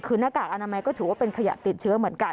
คือหน้ากากอนามัยก็ถือว่าเป็นขยะติดเชื้อเหมือนกัน